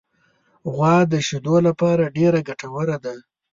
غوا د شیدو لپاره ډېره ګټوره ده.